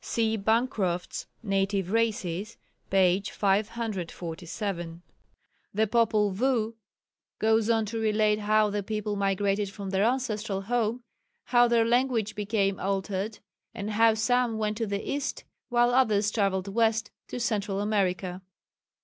(See Bancroft's Native Races, p. 547.) The Popul Vuh goes on to relate how the people migrated from their ancestral home, how their language became altered, and how some went to the east, while other travelled west (to Central America).